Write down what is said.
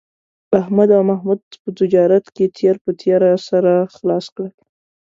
احمد او محمود په تجارت کې تېر په تېر سره خلاص کړل